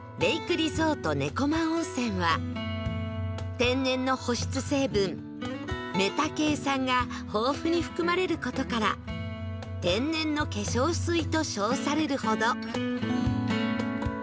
リゾート猫魔温泉は天然の保湿成分メタケイ酸が豊富に含まれる事から天然の化粧水と称されるほど